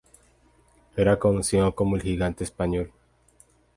Era conocido como "el gigante español".